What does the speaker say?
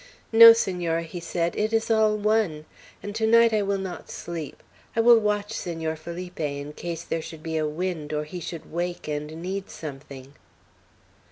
"No, Senora," he said, "it is all one; and to night I will not sleep. I will watch Senor Felipe, in case there should be a wind, or he should wake and need something."